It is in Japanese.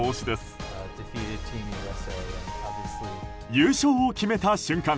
優勝を決めた瞬間